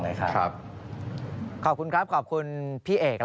นะครับก็ขอบคุณนะครับพี่เอก